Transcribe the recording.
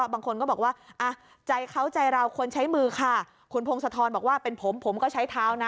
บางคนก็บอกว่าอ่ะใจเขาใจเราควรใช้มือค่ะคุณพงศธรบอกว่าเป็นผมผมก็ใช้เท้านะ